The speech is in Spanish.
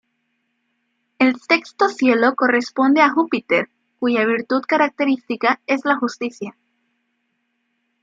El sexto cielo corresponde a Júpiter, cuya virtud característica es la justicia.